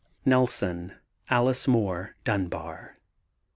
NELSON, ALICE MOORE (DUNBAR).